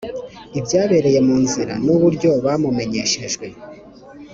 ibyabereye mu nzira n uburyo bamumenyeshejwe